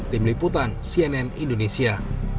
tim liputan cnn indonesia